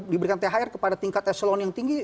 diberikan thr kepada tingkat eselon yang tinggi